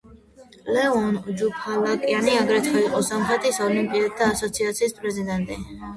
ლევონ ჯუფალაკიანი აგრეთვე იყო სომხეთის ოლიმპიელთა ასოციაციის პრეზიდენტი.